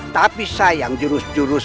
tapi sayang jurus jurus